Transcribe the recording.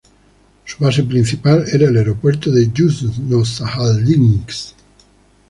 Su base principal era el aeropuerto de Yuzhno-Sajalinsk.